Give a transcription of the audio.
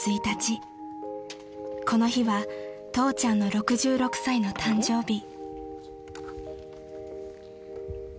［この日は父ちゃんの６６歳の誕生日］